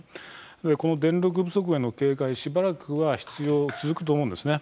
この電力不足への警戒しばらくは必要続くと思うんです。